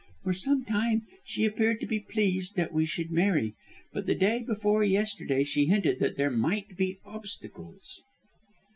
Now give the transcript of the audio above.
For some time she appeared to be pleased that we should marry, but the day before yesterday she hinted that there might be obstacles."